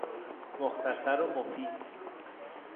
مختصر ومفید